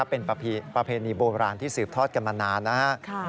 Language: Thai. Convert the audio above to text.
เป็นประเพณีโบราณที่สืบทอดกันมานานนะครับ